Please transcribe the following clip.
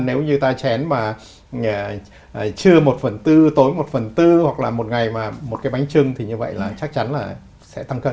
nếu như ta chén mà chưa một phần tư tối một phần bốn hoặc là một ngày mà một cái bánh trưng thì như vậy là chắc chắn là sẽ tăng cân